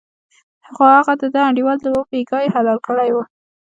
خو هغه چې دده انډیوال و بېګا یې حلال کړی و.